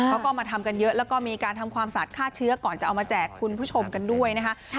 เขาก็มาทำกันเยอะแล้วก็มีการทำความสะอาดฆ่าเชื้อก่อนจะเอามาแจกคุณผู้ชมกันด้วยนะคะ